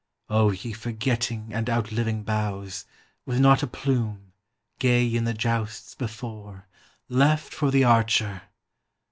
O ye forgetting and outliving boughs, With not a plume, gay in the jousts before, Left for the Archer!